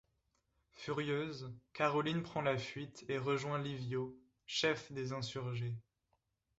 Furieuse, Caroline prend la fuite et rejoint Livio, chef des insurgés.